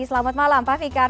selamat malam pak fikar